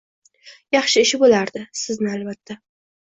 Yaxshi ish bo’lardi… Sizni, albatta